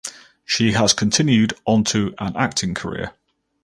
She has continued on to an acting career.